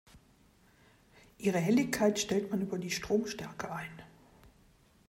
Ihre Helligkeit stellt man über die Stromstärke ein.